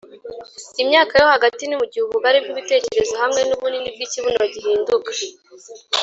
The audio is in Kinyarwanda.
imyaka yo hagati ni mugihe ubugari bwibitekerezo hamwe nubunini bwikibuno gihinduka